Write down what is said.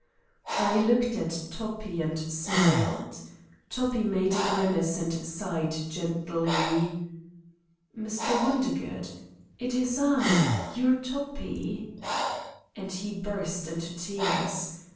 I looked at Toppi and smiled. Toppi made a grimace and sighed gently: "Mr. Wondergood! It is I, your Toppi." And he burst into tears.